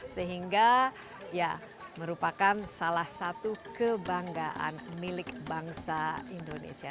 sehingga ya merupakan salah satu kebanggaan milik bangsa indonesia